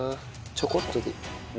ちょこっとで。